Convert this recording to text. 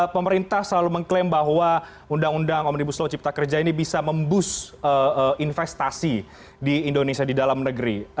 pemerintah selalu mengklaim bahwa undang undang omnibus law cipta kerja ini bisa memboost investasi di indonesia di dalam negeri